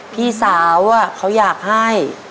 พี่สาวอะเค้าอยากให้